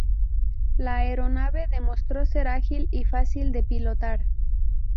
La aeronave demostró ser ágil y fácil de pilotar.